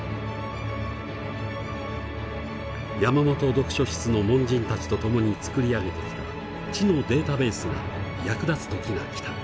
山本読書室の門人たちと共に作り上げてきた知のデータベースが役立つ時がきた。